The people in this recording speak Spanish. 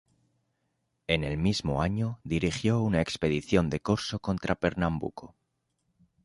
En el mismo año dirigió una expedición de corso contra Pernambuco.